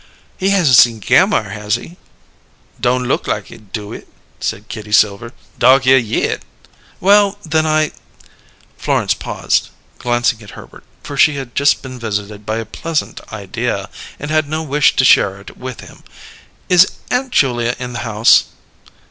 "He hasn't seen Gammire, has he?" "Don't look like it, do it?" said Kitty Silver. "Dog here yit." "Well, then I " Florence paused, glancing at Herbert, for she had just been visited by a pleasant idea and had no wish to share it with him. "Is Aunt Julia in the house?"